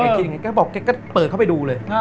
แกบอกแกก็เปิดเข้าไปดูเลย